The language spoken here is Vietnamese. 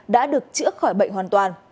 đã được chữa khỏi bệnh hoàn toàn